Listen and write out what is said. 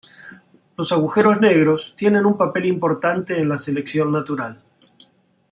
Los agujeros negros tienen un papel importante en la selección natural.